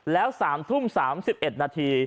แล้ว๓ทุ่ม๓๑นาที